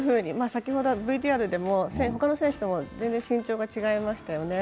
先ほどＶＴＲでも、他の選手と全然身長が違いましたよね。